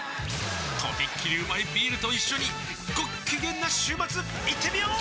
とびっきりうまいビールと一緒にごっきげんな週末いってみよー！